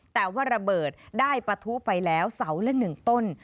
แต่ว่าระเบิดได้ปะทุไปแล้วเสาละ๑ต้น